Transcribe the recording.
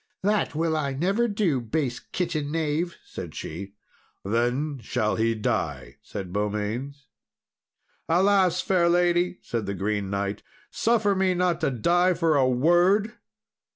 "That will I never do, base kitchen knave," said she. "Then shall he die," said Beaumains. "Alas! fair lady," said the Green Knight, "suffer me not to die for a word!